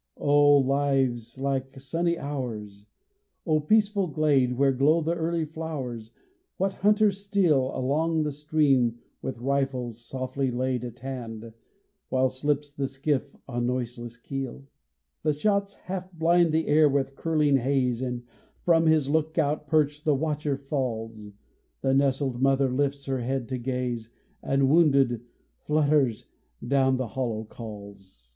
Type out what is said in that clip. Oh, lives like sunny hours! Oh, peaceful glade, Where glow the early flowers! What hunters steal Along the stream, with rifles softly laid At hand, while slips the skiff on noiseless keel? The shots half blind the air with curling haze, And from his lookout perch the watcher falls; The nested mother lifts her head to gaze, And wounded, flutters down with hollow calls.